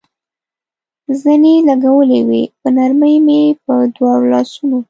زنې لګولې وې، په نرمۍ مې په دواړو لاسونو.